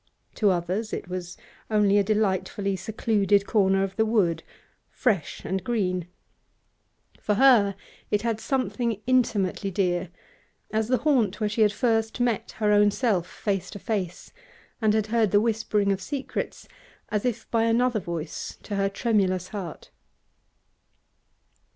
To others it was only a delightfully secluded corner of the wood, fresh and green; for her it had something intimately dear, as the haunt where she had first met her own self face to face and had heard the whispering of secrets as if by another voice to her tremulous heart.